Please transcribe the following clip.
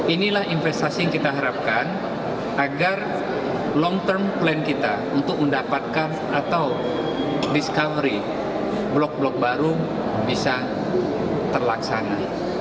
inilah investasi yang kita harapkan agar long term plan kita untuk mendapatkan atau discovery blok blok baru bisa terlaksana